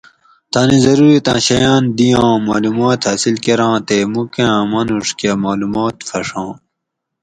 تانی ضرورِتاۤں شیاۤن دِیاں، مالومات حاصِل کۤراں تے مُکاۤں ماۤنُوڄ کۤہ مالومات پھݭاں۔